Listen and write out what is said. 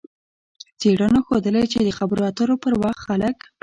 څېړنو ښودلې چې د خبرو اترو پر وخت خلک